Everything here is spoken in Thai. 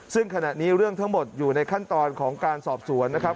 ซึ่งขณะนี้เรื่องทั้งหมดอยู่ในขั้นตอนของการสอบสวนนะครับ